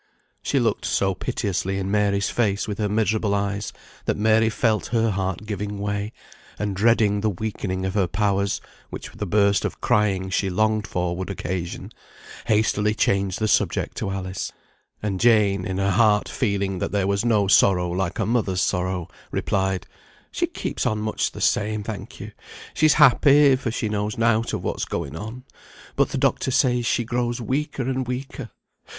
She looked so piteously in Mary's face with her miserable eyes, that Mary felt her heart giving way, and, dreading the weakening of her powers, which the burst of crying she longed for would occasion, hastily changed the subject to Alice; and Jane, in her heart, feeling that there was no sorrow like a mother's sorrow, replied, "She keeps on much the same, thank you. She's happy, for she knows nought of what's going on; but th' doctor says she grows weaker and weaker.